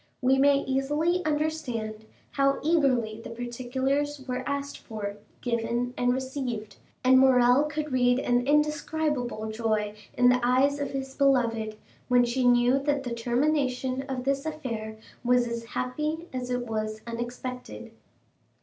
We may easily understand how eagerly the particulars were asked for, given, and received; and Morrel could read an indescribable joy in the eyes of his beloved, when she knew that the termination of this affair was as happy as it was unexpected.